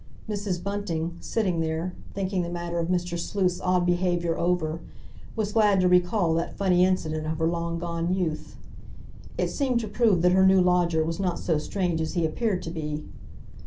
Mrs. Bunting, sitting there, thinking the matter of Mr. Sleuth's odd behaviour over, was glad to recall that funny incident of her long gone youth. It seemed to prove that her new lodger was not so strange as he appeared to be.